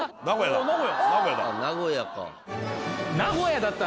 名古屋だ。